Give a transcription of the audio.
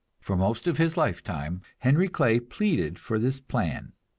For most of his lifetime Henry Clay pleaded for that plan.